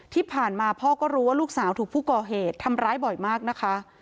ที่ผ่านมาพ่อก็รู้ว่าลูกสาวถูกผู้ก่อเหตุทำร้ายบ่อยมากนะคะ